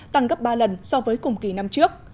tăng gấp ba lần so với cùng kỳ năm trước